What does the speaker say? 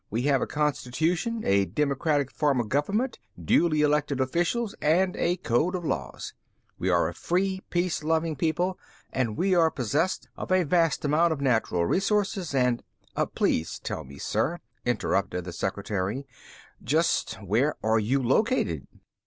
We have a constitution, a democratic form of government, duly elected officials, and a code of laws. We are a free, peace loving people and we are possessed of a vast amount of natural resources and " "Please tell me, sir," interrupted the secretary, "just where are you located?"